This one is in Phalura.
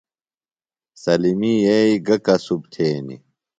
سلمی ییی گہ کسُب تھینی؟